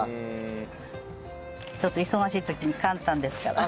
ちょっと忙しい時に簡単ですから。